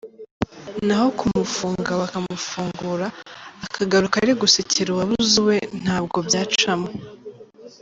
Naho kumufunga, bakamufungura, akagaruka ari gusekera uwabuze uwe, ntabwo byacamo.